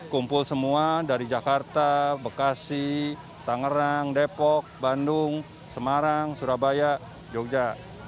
kumpul semua dari jakarta bekasi tangerang depok bandung semarang surabaya jogja